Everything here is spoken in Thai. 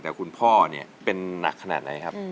แต่คุณพ่อเป็นนักขนาดไหนครับ